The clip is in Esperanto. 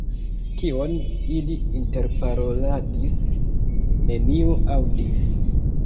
Kion ili interparoladis, neniu aŭdis.